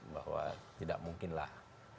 bahwa tidak mungkinlah